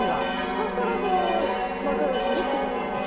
だからその若いうちにってことなんですか？